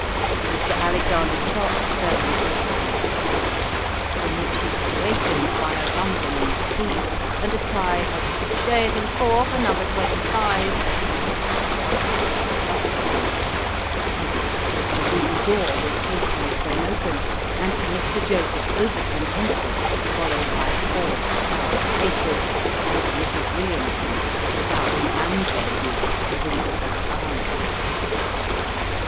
Mr. Alexander Trott fell into a sound sleep, from which he was awakened by a rumbling in the street, and a cry of " Chaise and four for number twenty five !" A bustle on the stairs succeeded ; the room door was hastily thrown open ; and Mr. Joseph Overton entered, followed by four stout waiters and Mrs. Williamson, the stout landlady of the Winglebury Arms.